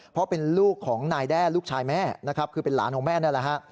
เพราะเป็นลูกของนายแด้ลูกชายแม่คือเป็นหลานของแม่นั่น